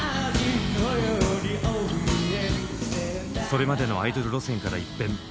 それまでのアイドル路線から一変。